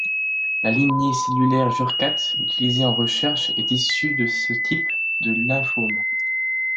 La lignée cellulaire Jurkat, utilisée en recherche est issue de ce type de lymphome.